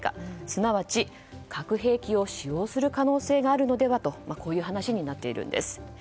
すなわち、核兵器を使用する可能性があるのではとこういう話になっているんです。